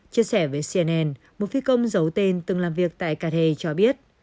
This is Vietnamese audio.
chia sẻ với cnn một phi công giấu tên từng làm việc tại carbe cho biết